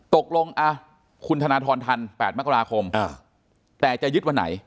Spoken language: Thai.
ตกลงคุณธนทรทัน๘มกราคมแต่จะยึดวันไหน